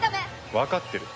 わかってる。